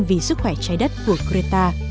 vì sức khỏe trái đất của greta